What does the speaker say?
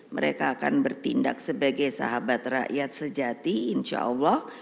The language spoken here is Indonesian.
mereka akan bertindak sebagai sahabat rakyat sejati insya allah